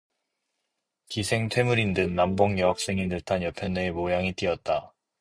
기생 퇴물인 듯 난봉 여학생인 듯한 여편네의 모양이 띄었다.